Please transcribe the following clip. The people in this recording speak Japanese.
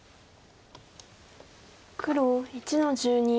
黒１の十二。